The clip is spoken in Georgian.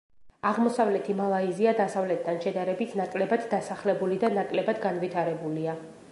აღმოსავლეთი მალაიზია დასავლეთთან შედარებით ნაკლებად დასახლებული და ნაკლებად განვითარებულია.